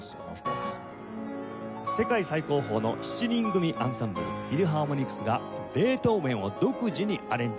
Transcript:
世界最高峰の７人組アンサンブルフィルハーモニクスがベートーヴェンを独自にアレンジ。